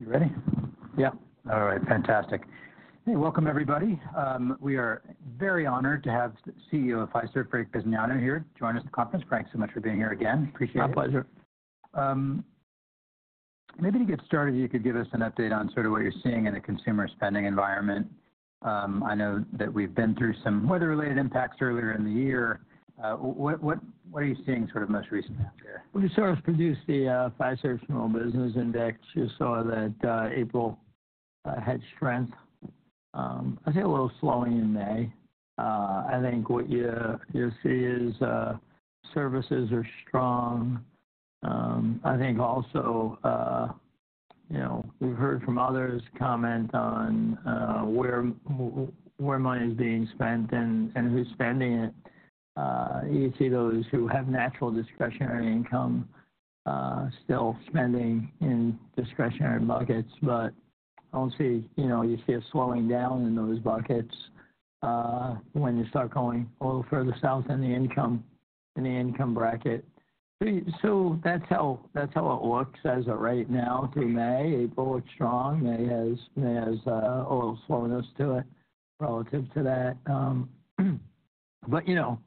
You ready? Yeah. All right, fantastic. Hey, welcome everybody. We are very honored to have the CEO of Fiserv, Frank Bisignano here to join us at the conference. Frank, so much for being here again, appreciate it. My pleasure. Maybe to get started, you could give us an update on sort of what you're seeing in the consumer spending environment. I know that we've been through some weather-related impacts earlier in the year. What are you seeing sort of most recently out there? We sort of produced the Fiserv Small Business Index. You saw that April had strength. I'd say a little slowing in May. I think what you see is services are strong. I think also, you know, we've heard from others comment on where money is being spent and who's spending it. You see those who have natural discretionary income still spending in discretionary buckets, but I don't see, you know, you see a slowing down in those buckets when you start going a little further south in the income bracket. So that's how it looks as of right now through May. April looked strong. May has a little slowness to it relative to that. But you know,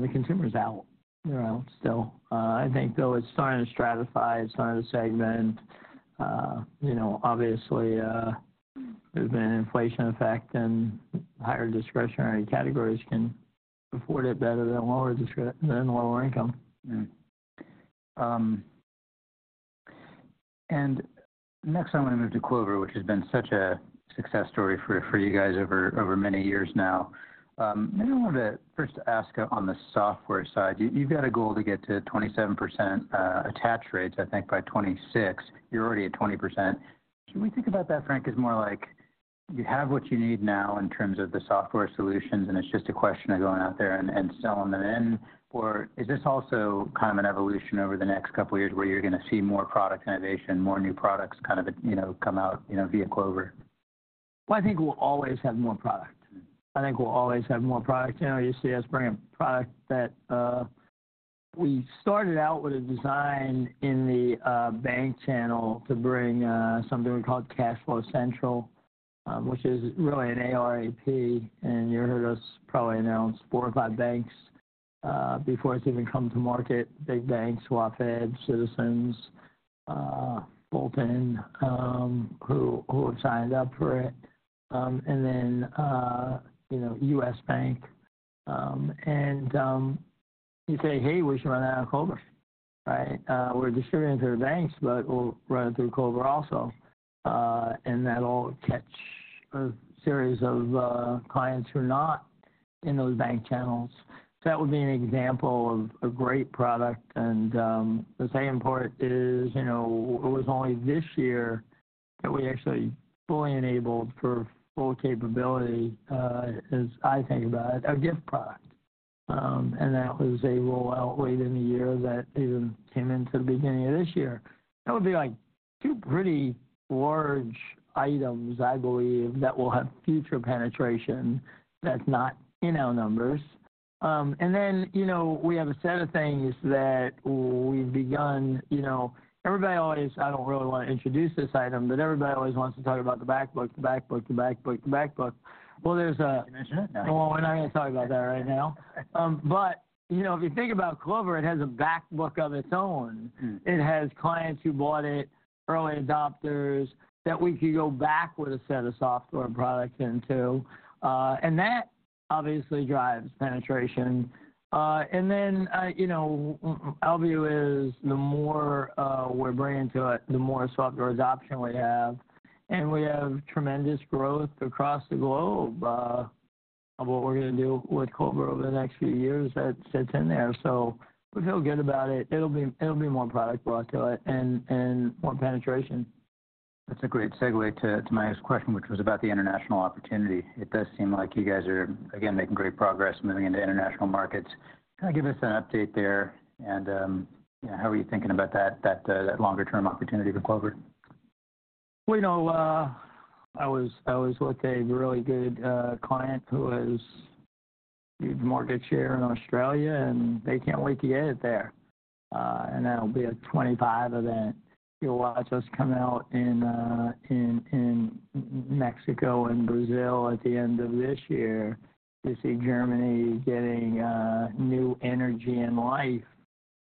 the consumer's out, you know, still. I think, though, it's starting to stratify, it's starting to segment. You know, obviously, there's been an inflation effect, and higher discretionary categories can afford it better than lower income. And next, I want to move to Clover, which has been such a success story for, for you guys over, over many years now. Maybe I wanted to first ask on the software side. You, you've got a goal to get to 27% attach rates, I think, by 2026. You're already at 20%. Should we think about that, Frank, as more like you have what you need now in terms of the software solutions, and it's just a question of going out there and, and selling them in? Or is this also kind of an evolution over the next couple of years where you're gonna see more product innovation, more new products kind of, you know, come out, you know, via Clover? Well, I think we'll always have more product. I think we'll always have more product. You know, you see us bring a product that, we started out with a design in the, bank channel to bring, something we called CashFlow Central, which is really an ERP, and you heard us probably announce four or five banks, before it's even come to market. Big banks, WaFd Bank, Citizens, Fulton Bank, who have signed up for it. And then, you know, U.S. Bank. And, you say, "Hey, we should run out of Clover," right? We're distributing through the banks, but we'll run it through Clover also. And that'll catch a series of, clients who are not in those bank channels. So that would be an example of a great product. The second part is, you know, it was only this year that we actually fully enabled for full capability, as I think about it, our gift product. That was a rollout late in the year that even came into the beginning of this year. That would be, like, two pretty large items, I believe, that will have future penetration that's not in our numbers. You know, we have a set of things that we've begun. You know, everybody always... I don't really want to introduce this item, but everybody always wants to talk about the back book, the back book, the back book, the back book. Well, there's a- You mentioned it. Well, we're not gonna talk about that right now. But, you know, if you think about Clover, it has a back book of its own. It has clients who bought it, early adopters, that we could go back with a set of software products into. And that obviously drives penetration. And then, you know, our view is the more we're bringing to it, the more software adoption we have. And we have tremendous growth across the globe. What we're gonna do with Clover over the next few years, that sits in there, so we feel good about it. It'll be more product brought to it and more penetration. That's a great segue to my next question, which was about the international opportunity. It does seem like you guys are, again, making great progress moving into international markets. Can I give us an update there? And, you know, how are you thinking about that longer term opportunity for Clover? Well, you know, I was, I was with a really good client who has huge market share in Australia, and they can't wait to get it there. And that'll be a 25 event. You'll watch us come out in Mexico and Brazil at the end of this year. You see Germany getting new energy and life.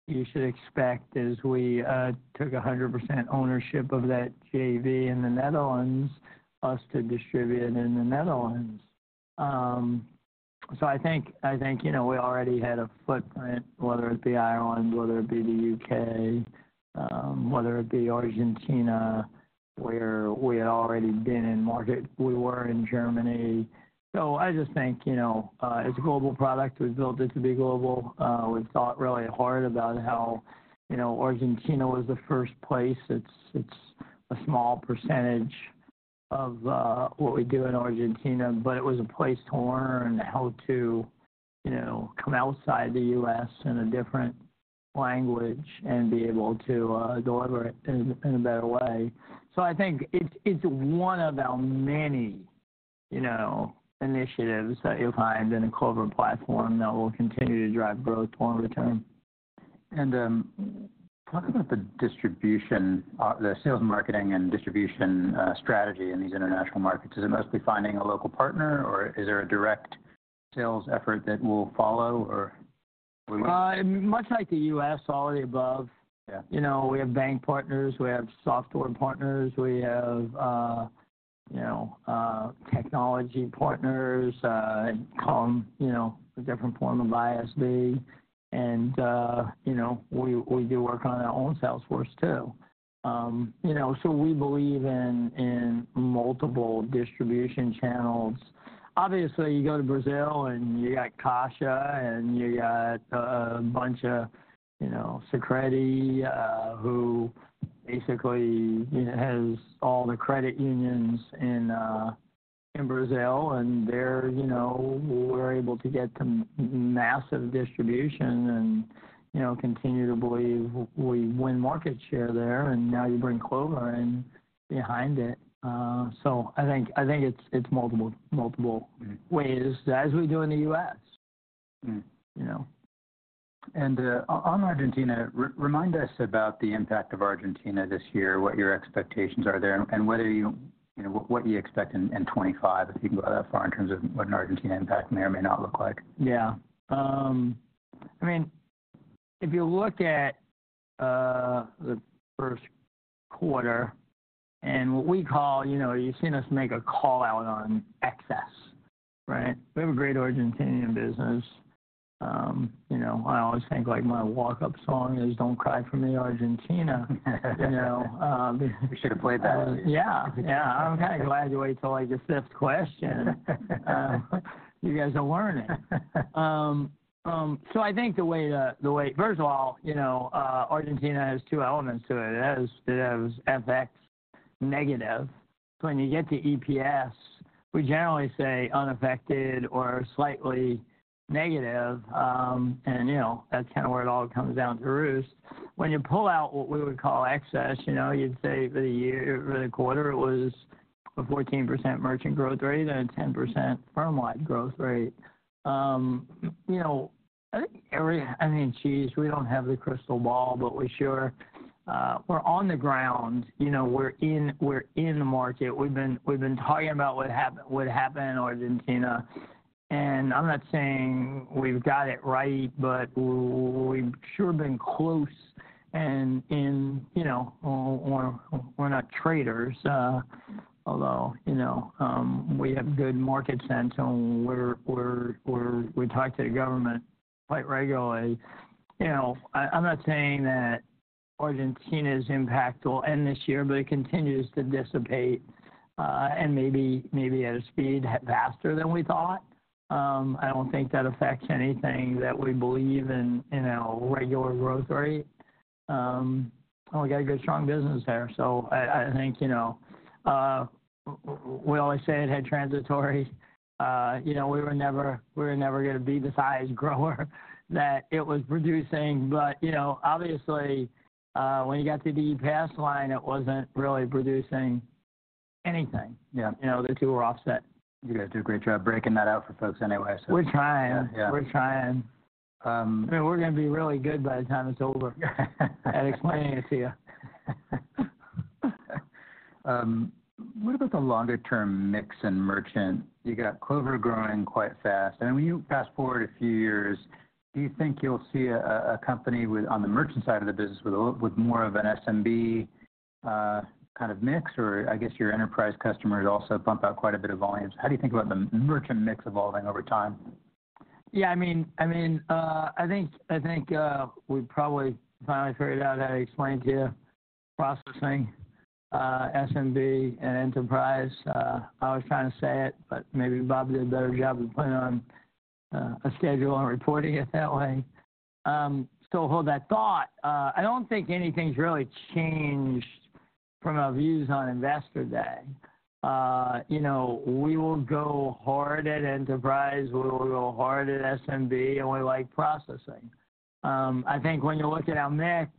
You should expect, as we took 100% ownership of that JV in the Netherlands, us to distribute it in the Netherlands. So I think, I think, you know, we already had a footprint, whether it be Ireland, whether it be the U.K., whether it be Argentina, where we had already been in market. We were in Germany. So I just think, you know, it's a global product. We built it to be global. We thought really hard about how, you know, Argentina was the first place. It's, it's a small percentage of what we do in Argentina, but it was a place to learn how to, you know, come outside the U.S. in a different language and be able to deliver it in, in a better way. So I think it's, it's one of our many, you know, initiatives that you'll find in a Clover platform that will continue to drive growth long term.... And, talk about the distribution, the sales and marketing and distribution, strategy in these international markets. Is it mostly finding a local partner, or is there a direct sales effort that will follow, or what? Much like the U.S., all of the above. Yeah. You know, we have bank partners, we have software partners, we have, you know, technology partners, call them, you know, a different form of ISV. And, you know, we, we do work on our own sales force too. You know, so we believe in, in multiple distribution channels. Obviously, you go to Brazil and you got Caixa, and you got a, a bunch of, you know, Sicredi who basically, you know, has all the credit unions in, in Brazil, and they're, you know- we're able to get some massive distribution and, you know, continue to believe we win market share there, and now you bring Clover in behind it. So I think, I think it's, it's multiple, multiple ways, as we do in the U.S. You know? On Argentina, remind us about the impact of Argentina this year, what your expectations are there, and what are you, you know, what do you expect in 2025? If you can go that far in terms of what an Argentina impact may or may not look like. Yeah. I mean, if you look at, the first quarter and what we call... You know, you've seen us make a call out on excess, right? We have a great Argentine business. You know, I always think, like, my walk-up song is Don't Cry For Me, Argentina. You know, We should have played that. Yeah, yeah. I'm kind of glad you wait till, like, the fifth question. You guys are learning. So I think the way-- First of all, you know, Argentina has two elements to it. It has FX negative. When you get to EPS, we generally say unaffected or slightly negative. And you know, that's kind of where it all comes down to roost. When you pull out what we would call excess, you know, you'd say for the quarter, it was a 14% merchant growth rate and a 10% firm-wide growth rate. You know, I think every... I mean, geez, we don't have the crystal ball, but we sure, we're on the ground. You know, we're in the market. We've been talking about what happened in Argentina, and I'm not saying we've got it right, but we've sure been close. And in, you know, we're not traders, although, you know, we have good market sense on where we talk to the government quite regularly. You know, I'm not saying that Argentina's impact will end this year, but it continues to dissipate, and maybe at a speed faster than we thought. I don't think that affects anything that we believe in our regular growth rate. And we got a good, strong business there. So I think, you know, we always say it had transitory. You know, we were never gonna be the size grower that it was producing. You know, obviously, when you got to the EPS line, it wasn't really producing anything. Yeah. You know, the two were offset. You guys do a great job breaking that out for folks anyway, so- We're trying. Yeah, yeah. We're trying. I mean, we're gonna be really good by the time it's over, at explaining it to you. What about the longer-term mix in merchant? You got Clover growing quite fast, and when you fast-forward a few years, do you think you'll see a company with, on the merchant side of the business with more of an SMB kind of mix? Or I guess your enterprise customers also bump out quite a bit of volume. So how do you think about the merchant mix evolving over time? Yeah, I mean, I think we've probably finally figured out how to explain to you processing, SMB, and enterprise. I was trying to say it, but maybe Bob did a better job of putting on a schedule and reporting it that way. So hold that thought. I don't think anything's really changed from our views on Investor Day. You know, we will go hard at enterprise, we will go hard at SMB, and we like processing. I think when you look at our mix,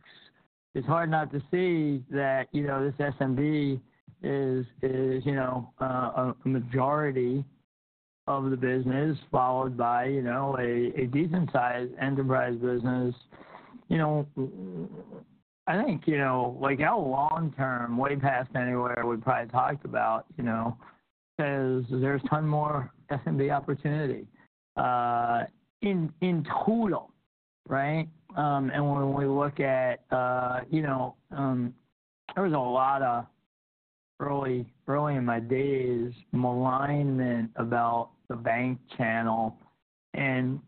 it's hard not to see that, you know, this SMB is a majority of the business, followed by a decent-sized enterprise business. You know, I think, you know, like, our long term, way past anywhere we probably talked about, you know, is there's ton more SMB opportunity in total, right? And when we look at, you know, there was a lot of early in my days, malignment about the bank channel, and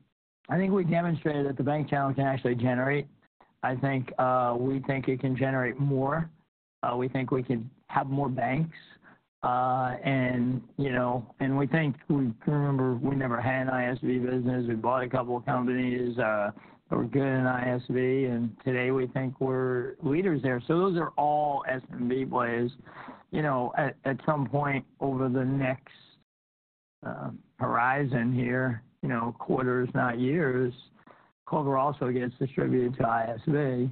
I think we demonstrated that the bank channel can actually generate. I think we think it can generate more. We think we can have more banks. And, you know, and we think - we remember we never had an ISV business. We bought a couple of companies that were good in ISV, and today we think we're leaders there. So those are all SMB plays. You know, at some point over the next horizon here, you know, quarters, not years, Clover also gets distributed to ISV.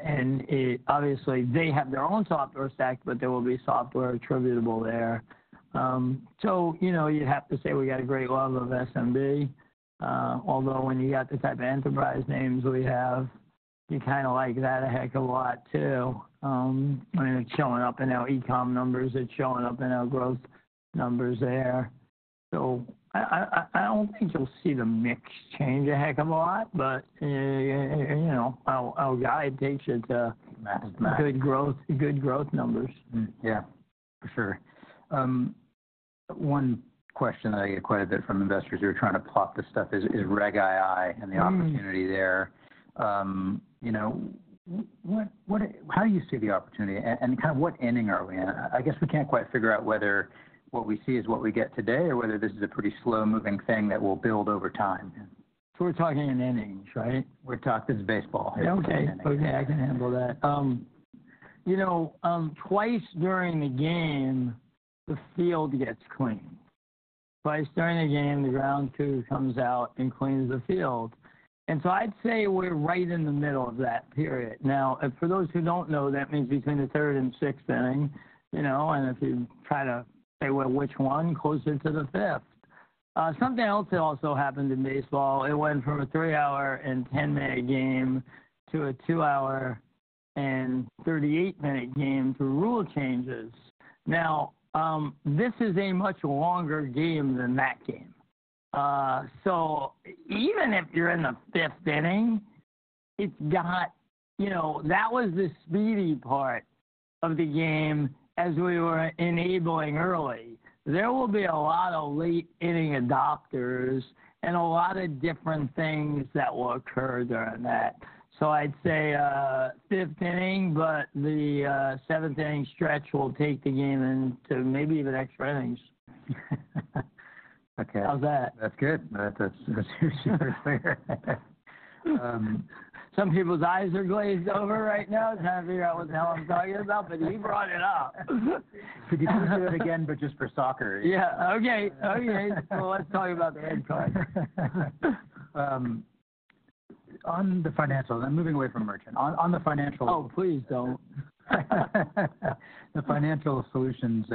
And obviously, they have their own software stack, but there will be software attributable there. So, you know, you'd have to say we got a great love of SMB. Although when you got the type of enterprise names we have, you kind of like that a heck of a lot, too. I mean, it's showing up in our e-com numbers. It's showing up in our growth numbers there. So I don't think you'll see the mix change a heck of a lot, but, you know, our guide takes you to- That's not- Good growth, good growth numbers. Yeah, for sure. One question that I get quite a bit from investors who are trying to plot this stuff is, is Reg II- and the opportunity there. You know, what, how do you see the opportunity? And kind of what inning are we in? I guess we can't quite figure out whether what we see is what we get today, or whether this is a pretty slow-moving thing that will build over time. So we're talking in innings, right? We're talking. This is baseball. Okay. Okay, I can handle that. You know, twice during the game, the field gets cleaned. Twice during the game, the ground crew comes out and cleans the field, and so I'd say we're right in the middle of that period. Now, for those who don't know, that means between the third and sixth inning, you know, and if you try to say, "Well, which one?" Closer to the fifth. Something else that also happened in baseball, it went from a 3-hour and 10-minute game to a 2-hour and 38-minute game through rule changes. Now, this is a much longer game than that game. So even if you're in the fifth inning, it's got... You know, that was the speedy part of the game as we were enabling early. There will be a lot of late-inning adopters and a lot of different things that will occur during that. So I'd say, fifth inning, but the, seventh inning stretch will take the game into maybe even extra innings. Okay. How's that? That's good. That's, that's super clear. Some people's eyes are glazed over right now, trying to figure out what the hell I'm talking about, but he brought it up. Could you please do it again, but just for soccer? Yeah. Okay, okay. Well, let's talk about the Red Sox. On the financials, I'm moving away from merchant. On the financial- Oh, please don't. The financial solutions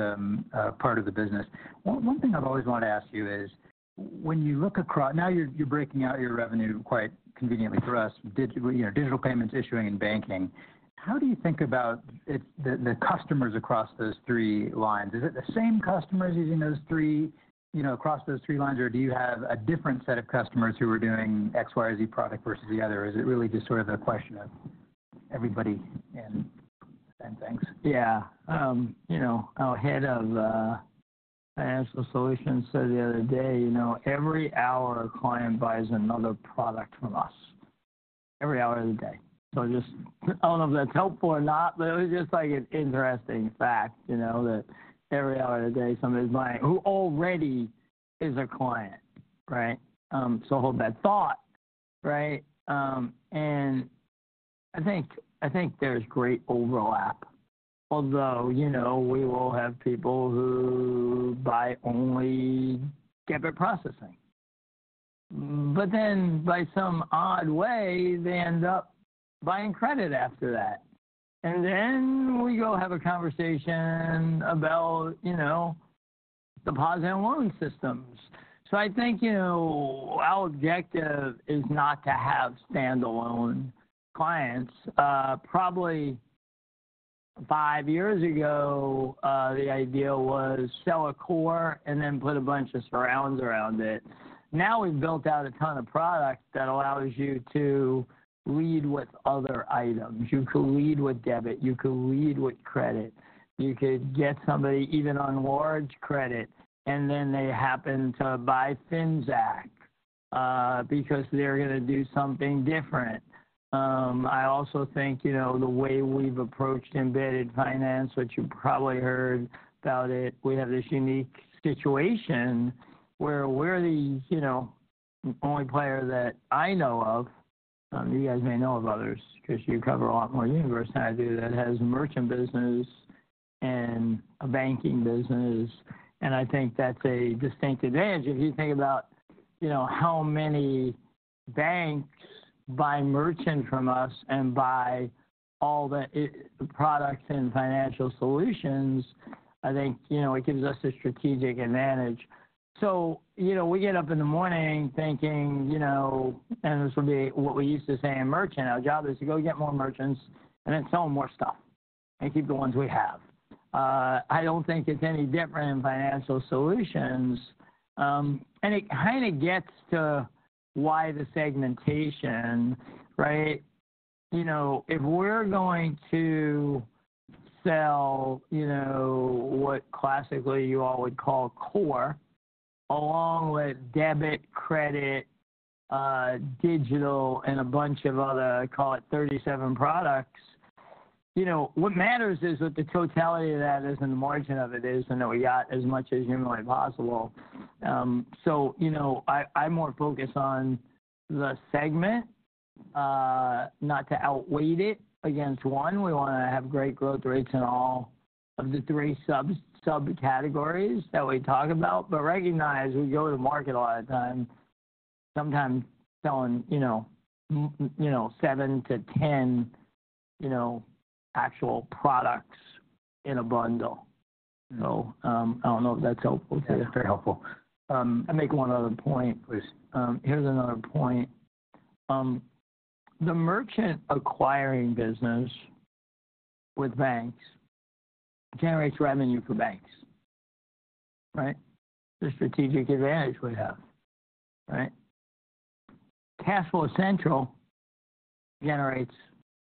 part of the business, one thing I've always wanted to ask you is, when you look across— Now you're, you're breaking out your revenue, quite conveniently for us, you know, digital payments, issuing, and banking. How do you think about it, the customers across those three lines? Is it the same customers using those three, you know, across those three lines, or do you have a different set of customers who are doing X, Y, or Z product versus the other? Is it really just sort of a question of everybody and things? Yeah. You know, our head of Financial Solutions said the other day, "You know, every hour, a client buys another product from us, every hour of the day." So just... I don't know if that's helpful or not, but it was just, like, an interesting fact, you know, that every hour of the day, somebody's buying, who already is a client, right? So hold that thought, right? And I think there's great overlap, although, you know, we will have people who buy only debit processing. But then, by some odd way, they end up buying credit after that, and then we go have a conversation about, you know, deposit and loan systems. So I think, you know, our objective is not to have standalone clients. Probably five years ago, the idea was sell a core and then put a bunch of surrounds around it. Now, we've built out a ton of product that allows you to lead with other items. You could lead with debit, you could lead with credit. You could get somebody even on large credit, and then they happen to buy Finxact, because they're gonna do something different. I also think, you know, the way we've approached embedded finance, which you probably heard about it, we have this unique situation where we're the, you know, the only player that I know of, you guys may know of others, 'cause you cover a lot more universe than I do, that has a merchant business and a banking business, and I think that's a distinct advantage. If you think about, you know, how many banks buy merchant from us and buy all the products and financial solutions, I think, you know, it gives us a strategic advantage. So, you know, we get up in the morning thinking, you know, and this would be what we used to say in merchant, our job is to go get more merchants and then sell them more stuff, and keep the ones we have. I don't think it's any different in financial solutions. And it kind of gets to why the segmentation, right? You know, if we're going to sell, you know, what classically you all would call core, along with debit, credit, digital, and a bunch of other, call it 37 products, you know, what matters is what the totality of that is, and the margin of it is, and that we got as much as humanly possible. So, you know, I, I'm more focused on the segment, not to outweigh it against one. We wanna have great growth rates in all of the three sub-categories that we talk about, but recognize, we go to the market a lot of times, sometimes selling, you know, seven to ten, you know, actual products in a bundle. So, I don't know if that's helpful to you. Very helpful. I'll make one other point, please. Here's another point. The merchant acquiring business with banks generates revenue for banks, right? The strategic advantage we have, right? CashFlow Central generates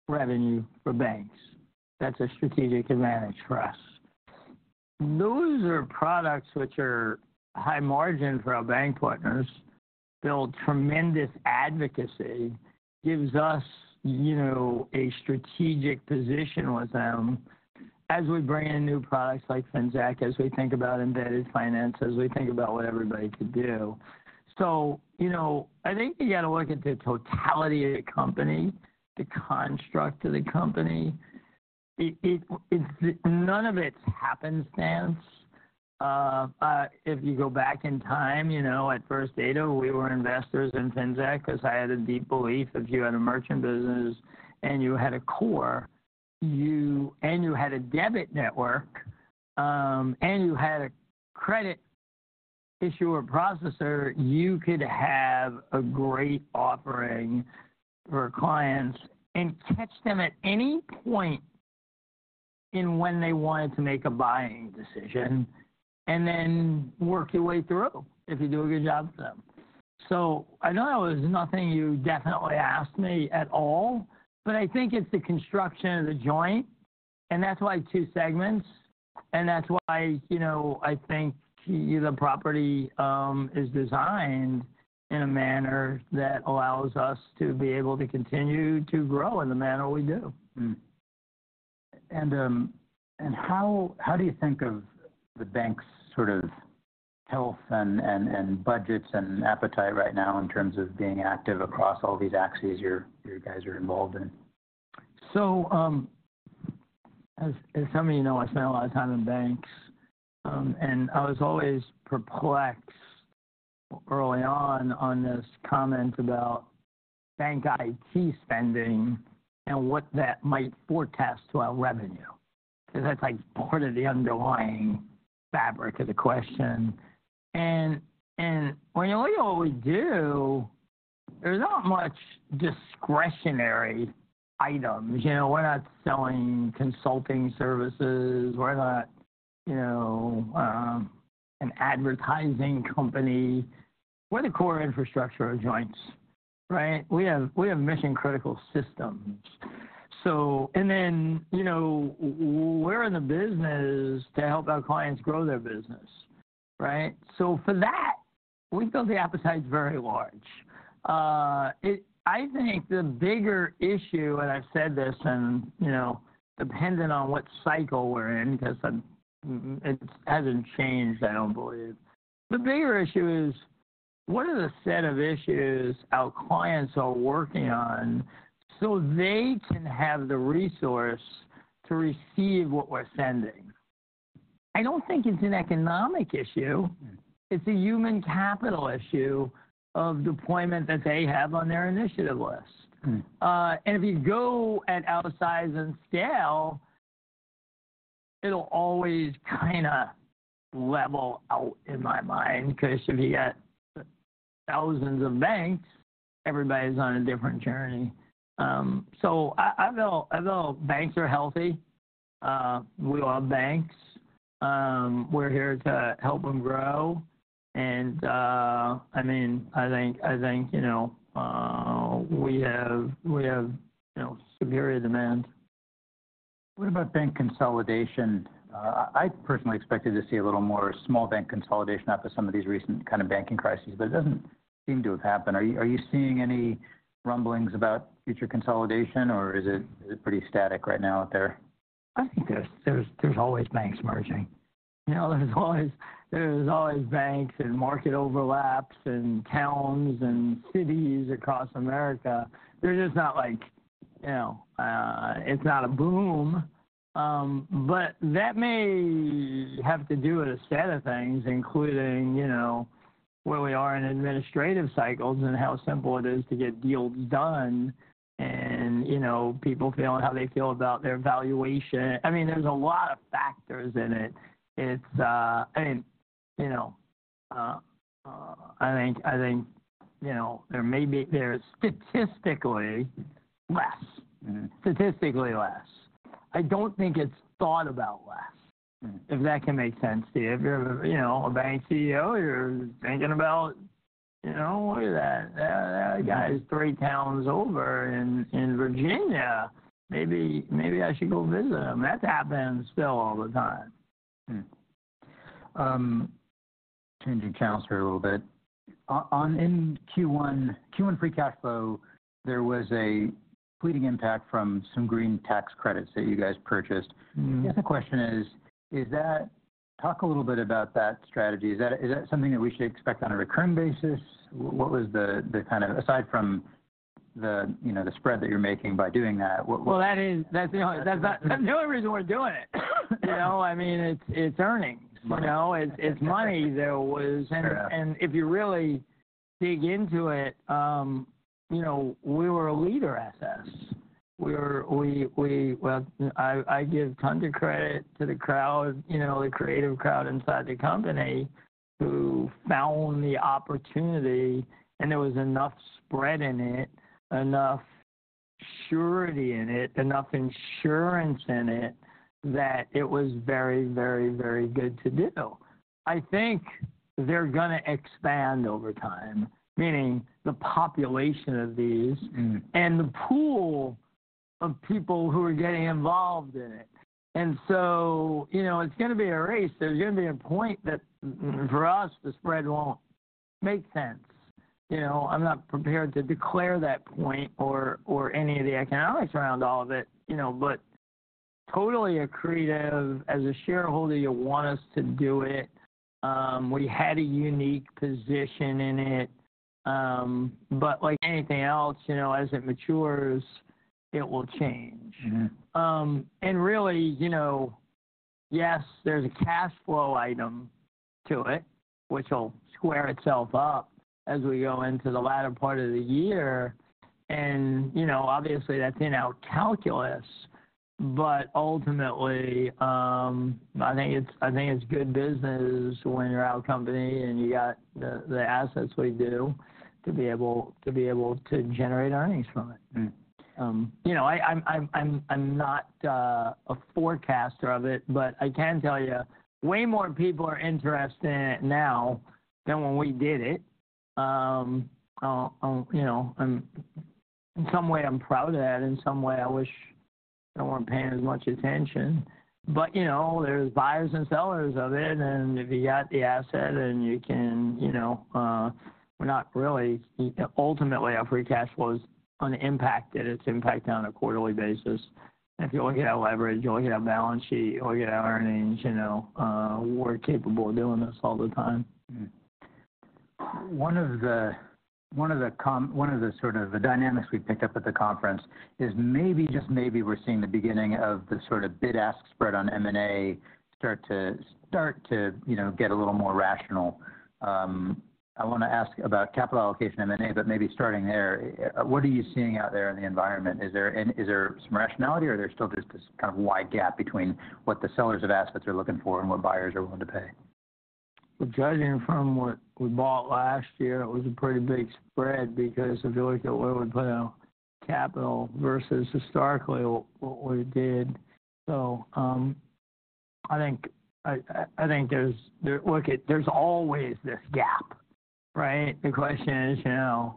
revenue for banks. That's a strategic advantage for us. Those are products which are high margin for our bank partners, build tremendous advocacy, gives us, you know, a strategic position with them as we bring in new products like Finxact, as we think about embedded finance, as we think about what everybody could do. So, you know, I think you gotta look at the totality of the company, the construct of the company. It's none of it's happenstance. If you go back in time, you know, at First Data, we were investors in Finxact because I had a deep belief if you had a merchant business and you had a core, you... You had a debit network, and you had a credit issuer processor, you could have a great offering for clients and catch them at any point in when they wanted to make a buying decision, and then work your way through if you do a good job with them. I know it was nothing you definitely asked me at all, but I think it's the construction of the joint, and that's why two segments, and that's why, you know, I think the property is designed in a manner that allows us to be able to continue to grow in the manner we do. And how do you think of the bank's sort of health and budgets and appetite right now in terms of being active across all these axes you're, you guys are involved in? So, as some of you know, I spent a lot of time in banks, and I was always perplexed early on this comment about bank IT spending and what that might forecast to our revenue, because that's like part of the underlying fabric of the question. And when you look at what we do, there's not much discretionary items. You know, we're not selling consulting services. We're not, you know, an advertising company. We're the core infrastructure of joints, right? We have mission-critical systems. So... And then, you know, we're in the business to help our clients grow their business, right? So for that, we feel the appetite's very large. I think the bigger issue, and I've said this, and, you know, depending on what cycle we're in, because it hasn't changed, I don't believe. The bigger issue is, what are the set of issues our clients are working on so they can have the resource to receive what we're sending? I don't think it's an economic issue. It's a human capital issue of deployment that they have on their initiative list. And if you go at our size and scale, it'll always kind of level out in my mind, because if you've got thousands of banks, everybody's on a different journey. So I feel banks are healthy. We love banks. We're here to help them grow, and I mean, I think, you know, we have, you know, superior demand. What about bank consolidation? I personally expected to see a little more small bank consolidation after some of these recent kind of banking crises, but it doesn't seem to have happened. Are you seeing any rumblings about future consolidation, or is it pretty static right now out there? I think there's always banks merging. You know, there's always banks and market overlaps and towns and cities across America. They're just not like, you know, it's not a boom. But that may have to do with a set of things, including, you know, where we are in administrative cycles and how simple it is to get deals done and, you know, people feeling how they feel about their valuation. I mean, there's a lot of factors in it. It's... I mean, you know, I think, you know, there may be. There's statistically less. Statistically less. I don't think it's thought about less. If that can make sense to you. If you're, you know, a bank CEO, you're thinking about, you know, look at that. That, that guy's three towns over in, in Virginia. Maybe, maybe I should go visit him. That happens still all the time. Changing the subject a little bit. In Q1 free cash flow, there was a fleeting impact from some green tax credits that you guys purchased. I guess the question is, is that, talk a little bit about that strategy. Is that, is that something that we should expect on a recurring basis? What was the kind of, aside from the, you know, the spread that you're making by doing that, what, what? Well, that's the only reason we're doing it! You know, I mean, it's earnings, you know? Right. It's money that was- Fair. If you really dig into it, you know, we were a leader at this. Well, I give a ton of credit to the crowd, you know, the creative crowd inside the company, who found the opportunity, and there was enough spread in it, enough surety in it, enough insurance in it, that it was very, very, very good to do. I think they're gonna expand over time, meaning the population of these- And the pool of people who are getting involved in it. And so, you know, it's gonna be a race. There's gonna be a point that, for us, the spread won't make sense. You know, I'm not prepared to declare that point or any of the economics around all of it, you know, but totally accretive. As a shareholder, you want us to do it. We had a unique position in it. But like anything else, you know, as it matures, it will change. And really, you know, yes, there's a cash flow item to it, which will square itself up as we go into the latter part of the year, and, you know, obviously, that's in our calculus. But ultimately, I think it's good business when you're our company, and you've got the assets we do, to be able to generate earnings from it. You know, I'm not a forecaster of it, but I can tell you, way more people are interested in it now than when we did it. You know, in some way I'm proud of that, in some way I wish no one paying as much attention. But, you know, there's buyers and sellers of it, and if you've got the asset, then you can, you know. Ultimately, our free cash flow is unimpacted. Its impact on a quarterly basis. If you look at our leverage, you look at our balance sheet, look at our earnings, you know, we're capable of doing this all the time. One of the dynamics we picked up at the conference is maybe, just maybe we're seeing the beginning of the sort of bid-ask spread on M&A start to, you know, get a little more rational. I wanna ask about capital allocation M&A, but maybe starting there, what are you seeing out there in the environment? Is there some rationality, or is there still just this kind of wide gap between what the sellers of assets are looking for and what buyers are willing to pay? Well, judging from what we bought last year, it was a pretty big spread because if you look at what we put out, capital, versus historically, what we did. So, I think. Look, there's always this gap, right? The question is, you know,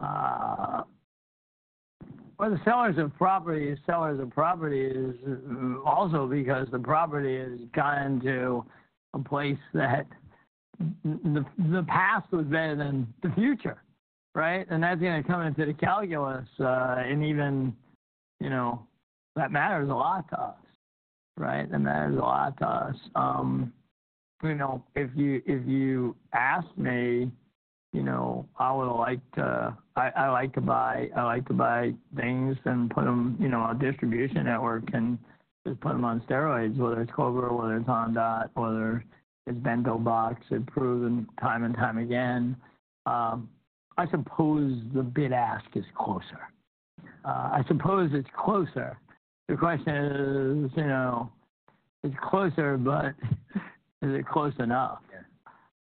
well, the sellers of property are also because the property has gotten to a place that the past was better than the future, right? And that's gonna come into the calculus, and even, you know, that matters a lot to us, right? That matters a lot to us. You know, if you ask me, you know, I would like to... I like to buy, I like to buy things and put them, you know, on a distribution network and just put them on steroids, whether it's Clover, whether it's Ondot, whether it's BentoBox, it's proven time and time again. I suppose the bid-ask is closer. I suppose it's closer. The question is, you know, it's closer, but is it close enough?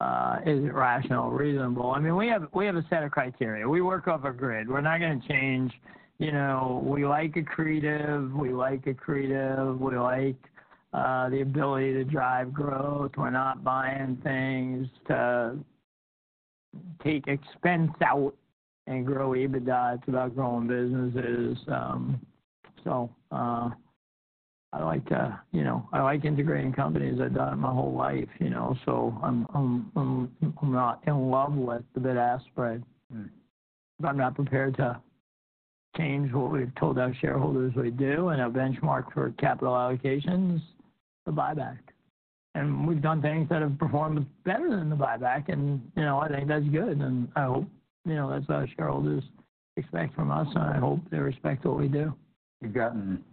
Yeah. Is it rational, reasonable? I mean, we have a set of criteria. We work off a grid. We're not gonna change. You know, we like accretive, we like accretive, we like the ability to drive growth. We're not buying things to take expense out and grow EBITDA. It's about growing businesses. So, I like to, you know, I like integrating companies. I've done it my whole life, you know, so I'm not in love with the bid-ask spread. But I'm not prepared to change what we've told our shareholders we do, and our benchmark for capital allocations, the buyback. And we've done things that have performed better than the buyback and, you know, I think that's good, and I hope, you know, as our shareholders expect from us, and I hope they respect what we do. You've gotten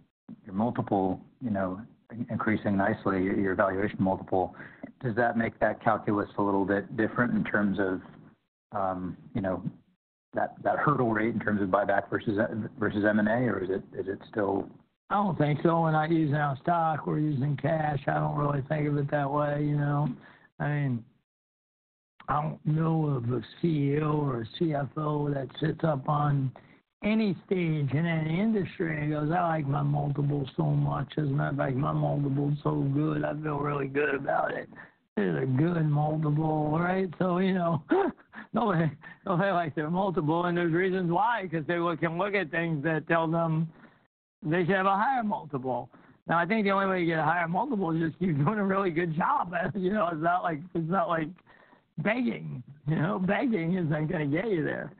your multiple, you know, increasing nicely, your valuation multiple. Does that make that calculus a little bit different in terms of, you know, that hurdle rate in terms of buyback versus M&A, or is it still? I don't think so. We're not using our stock. We're using cash. I don't really think of it that way, you know? I mean, I don't know of a CEO or a CFO that sits up on any stage in any industry and goes, "I like my multiples so much, and I like my multiples so good, I feel really good about it." It is a good multiple, right? So, you know, nobody, nobody like their multiple, and there's reasons why, 'cause they can look at things that tell them they should have a higher multiple. Now, I think the only way to get a higher multiple is just keep doing a really good job. You know, it's not like, it's not like begging, you know? Begging isn't gonna get you there.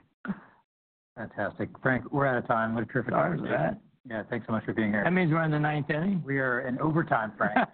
Fantastic! Frank, we're out of time. What a terrific- Sorry for that. Yeah, thanks so much for being here. That means we're in the ninth inning? We are in overtime, Frank.